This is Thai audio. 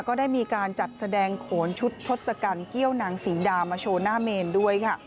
ก็ได้มีการจัดแสดงโขนชุดทศกัณฐิ้วนางศรีดามาโชว์หน้าเมนด้วยค่ะ